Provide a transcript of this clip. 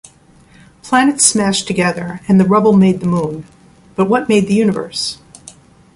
Planets smashed together and the rubble made the moon, but what made the universe?